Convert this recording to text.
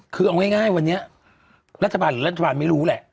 คือเอาง่ายวันนี้รัฐบาลหรือรัฐบาลไม่รู้แหละ